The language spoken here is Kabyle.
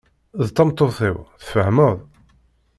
D tameṭṭut-iw, tfahmeḍ?